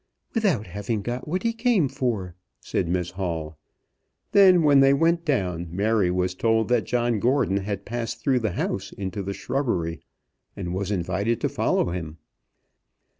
"Without having got what he came for," said Miss Hall. Then when they went down, Mary was told that John Gordon had passed through the house into the shrubbery, and was invited to follow him.